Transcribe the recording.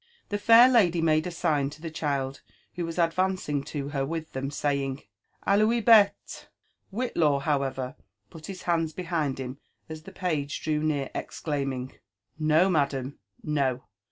The fair lady made a sign to the child, who was advancing to her wilh them, saying, ••Alul. b^lel" ^hitlaw, however, put his hands behind him as the page drew near, exclaiming, "No! madam, no!